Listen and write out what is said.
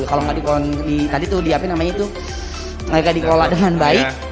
kalau nggak dikontrol tadi tuh di apa namanya tuh mereka dikontrol dengan baik